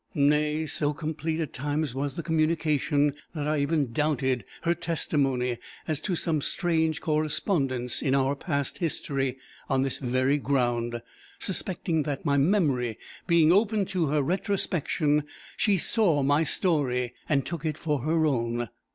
Nay, so complete at times was the communication, that I even doubted her testimony as to some strange correspondence in our past history on this very ground, suspecting that, my memory being open to her retrospection, she saw my story, and took it for her own.